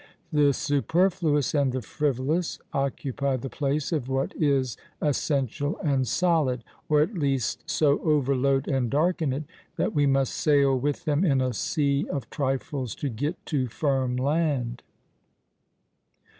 The superfluous and the frivolous occupy the place of what is essential and solid, or at least so overload and darken it that we must sail with them in a sea of trifles to get to firm land.